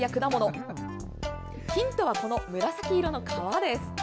ヒントは、この紫の皮です。